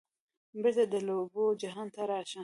بیرته د لوبو جهان ته راشه